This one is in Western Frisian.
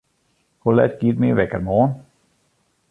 Hoe let giet myn wekker moarn?